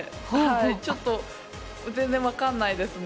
ちょっと全然分からないですね。